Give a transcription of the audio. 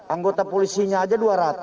anggota polisinya aja